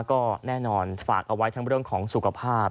ก็แน่นอนฝากเอาไว้ทั้งเรื่องของสุขภาพ